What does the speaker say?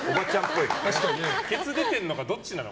ケツ出てるのか、どっちなの？